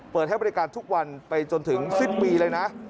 เปิดให้บริการทุกวันไปจนถึงสิ้นปีเลยนะ